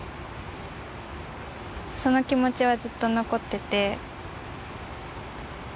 その気持ちはずっと残ってて。